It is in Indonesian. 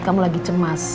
kamu lagi cemas